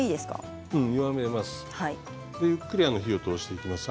ゆっくり火を通していきます。